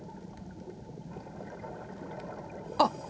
あっ！